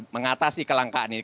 mengatasi kelangkaan ini